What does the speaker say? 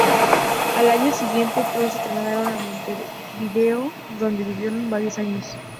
Al año siguiente todos se trasladaron a Montevideo donde vivieron varios años.